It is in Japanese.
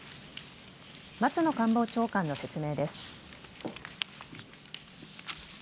松野官房長官の説明です。